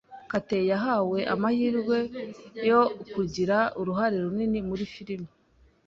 Kate yahawe amahirwe yo kugira uruhare runini muri firime.